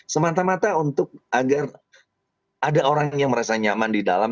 semata mata untuk agar ada orang yang merasa nyaman di dalam